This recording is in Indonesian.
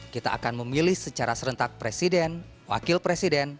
kita akan memilih secara serentak presiden wakil presiden